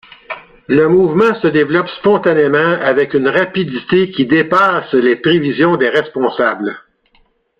Le mouvement se développe spontanément avec une rapidité qui dépasse les prévisions des responsables.